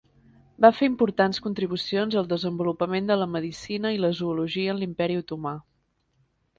Va fer importants contribucions al desenvolupament de la medicina i la zoologia en l'Imperi Otomà.